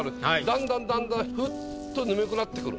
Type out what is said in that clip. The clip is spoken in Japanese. だんだんだんだんふっと眠くなってくる。